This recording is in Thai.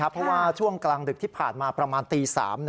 เพราะว่าช่วงกลางดึกที่ผ่านมาประมาณตี๓